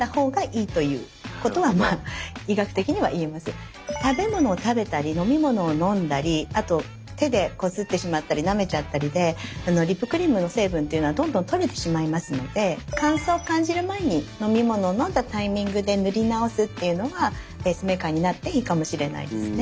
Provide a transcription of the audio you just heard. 先生これって食べ物を食べたり飲み物を飲んだりあと手でこすってしまったりなめちゃったりでリップクリームの成分っていうのはどんどん取れてしまいますので乾燥感じる前に飲み物を飲んだタイミングで塗り直すっていうのがペースメーカーになっていいかもしれないですね。